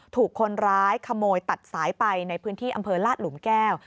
ถูกคนร้ายขโมยตัดสายไปในพื้นที่อำเภอลาดหลุมแก้ว